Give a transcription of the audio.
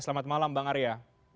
selamat malam bang arya